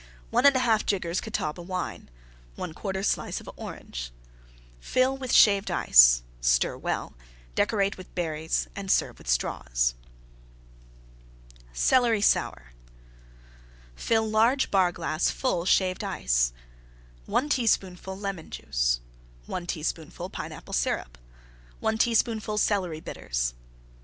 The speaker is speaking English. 1 1/2 jiggers Catawba Wine. 1/4 slice of Orange. Fill with Shaved Ice; stir well; decorate with Berries and serve with Straws. CELERY SOUR Fill large Bar glass full Shaved Ice. 1 teaspoonful Lemon Juice. 1 teaspoonful Pineapple Syrup. 1 teaspoonful Celery Bitters.